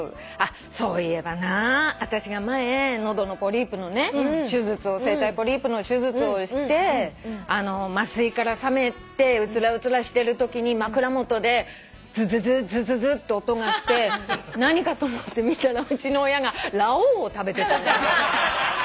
そういえば私が前声帯ポリープの手術をして麻酔からさめてうつらうつらしてるときに枕元でズズズーズズズーって音がして何かと思って見たらうちの親がラ王を食べてた。